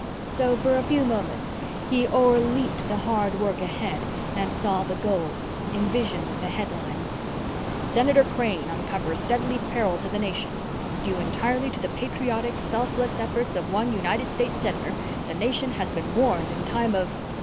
So, for a few moments, he o'erleaped the hard work ahead and saw the goal envisioned the headlines: SENATOR CRANE UNCOVERS DEADLY PERIL TO THE NATION Due entirely to the patriotic, selfless efforts of one United States Senator, the nation has been warned in time of....